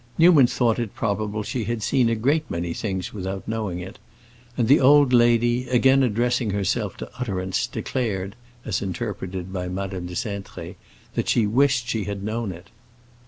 Newman thought it probable she had seen a great many things without knowing it; and the old lady, again addressing herself to utterance, declared—as interpreted by Madame de Cintré—that she wished she had known it.